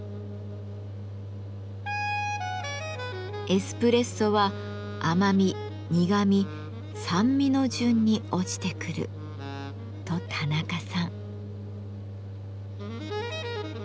「エスプレッソは甘み苦み酸味の順に落ちてくる」と田中さん。